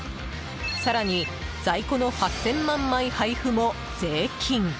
更に在庫の８０００万枚配布も税金。